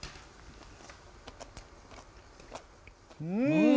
うん！